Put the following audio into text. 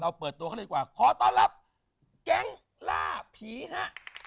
เปิดตัวเขาเลยดีกว่าขอต้อนรับแก๊งล่าผีฮะ